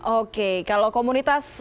oke kalau komunitas komunitas